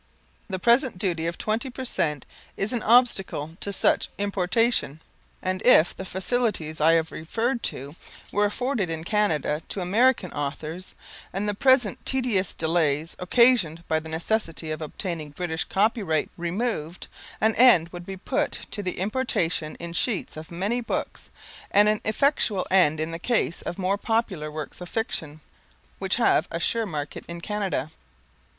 The present duty of 20% is an obstacle to such importation, and if the facilities I have referred to were afforded in Canada to the American authors, and the present tedious delays occasioned by the necessity of obtaining British copyright removed, an end would be put to the importation in sheets of many books, and an effectual end in the case of more popular works of fiction, which have a sure market in Canada.